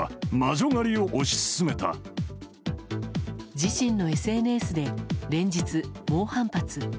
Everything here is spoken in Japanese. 自身のＳＮＳで連日、猛反発。